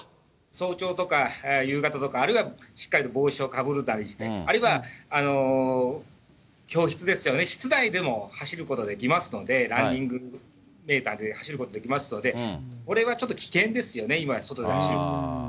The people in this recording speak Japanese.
早朝とか夕方とか、あるいはしっかりと帽子をかぶるなりして、あるいは教室ですよね、室内でも走ることができますので、ランニングで走ることができますので、これはちょっと危険ですよね、今、外で走るのは。